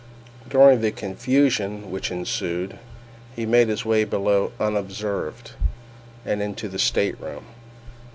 During the confusion which ensued, he made his way below unobserved, and into the stateroom.